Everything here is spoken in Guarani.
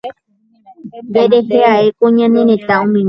Nderehe ae ko ñane retã omimbi.